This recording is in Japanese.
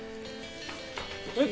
えっ？